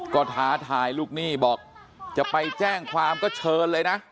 ก็ท้าทายลูกหนี้บอกจะไปแจ้งความก็เชิญเลยนะ